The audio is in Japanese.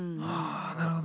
なるほど。